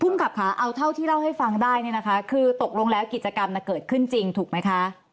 ขับค่ะเอาเท่าที่เล่าให้ฟังได้เนี่ยนะคะคือตกลงแล้วกิจกรรมเกิดขึ้นจริงถูกไหมคะ